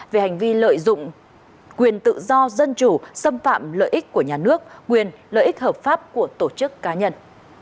về hành vi lợi dụng quyền tự do dân chủ xâm phạm lợi ích của nhà nước quyền lợi ích hợp pháp của tổ chức cá nhân